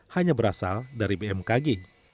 hanya berasal dari bmkg